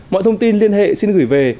mọi thông tin liên hệ xin gửi về